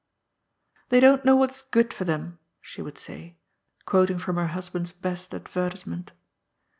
'' They don't know what is good for them," she would say, quoting from her husband's best advertisement.